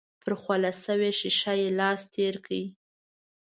پر خوله شوې ښيښه يې لاس تېر کړ.